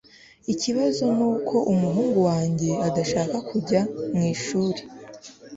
ikibazo nuko umuhungu wanjye adashaka kujya mwishuri